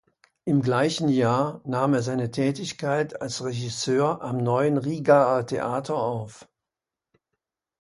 Im gleichen Jahr nahm er seine Tätigkeit als Regisseur am Neuen Rigaer Theater auf.